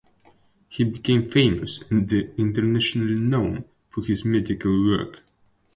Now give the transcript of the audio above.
He became "famous" and "internationally known" for his medical work.